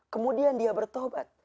kemudian dia bertobat